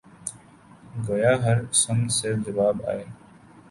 گویا ہر سمت سے جواب آئے